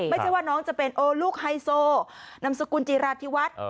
ไม่ใช่ว่าน้องจะเป็นโอลูกไฮโซนำสกุลจิราธิวัฒน์